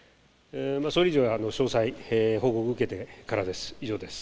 それ以上、詳細、報告受けてからです。